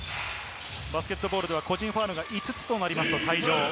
バスケットボールでは個人ファウルが５つとなりますと退場。